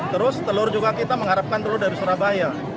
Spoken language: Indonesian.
terus telur juga kita mengharapkan dulu dari surabaya